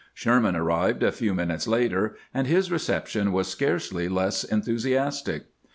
Sherman arrived a few minutes later, and his reception was scarcely less enthusiastic.